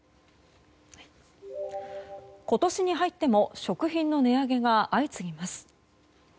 今年に入っても食品の値上げが相次ぎます。